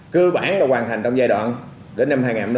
cơ bản đã hoàn thành trong giai đoạn đến năm hai nghìn hai mươi năm